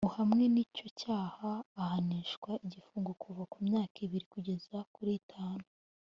uhamwe n’icyo cyaha ahanishwa igifungo kuva ku myaka ibiri kugeza kuri itanu